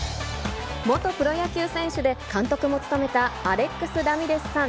元プロ野球選手で、監督も務めたアレックス・ラミレスさん。